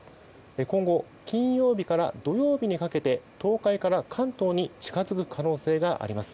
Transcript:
今後、金曜日から土曜日にかけて東海から関東に近付く可能性があります。